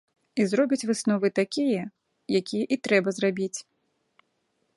І зробяць высновы такія, якія і трэба зрабіць.